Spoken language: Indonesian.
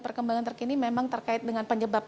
perkembangan terkini memang terkait dengan penyebab